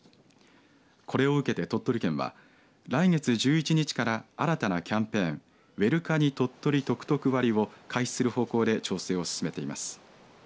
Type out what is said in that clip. これを受けて鳥取県は来月１１日から新たなキャンペーンウェルカニとっとり得々割を開始する方向で調整を進めています。